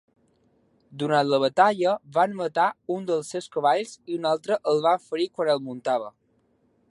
Durant la batalla van matar un dels seus cavalls i un altre el van ferir quan el muntava.